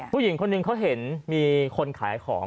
ผู้หญิงคนหนึ่งเขาเห็นมีคนขายของ